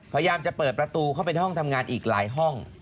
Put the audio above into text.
พยายามจะเปิดประตูเข้าไปในห้องทำงานอีกหลายห้อง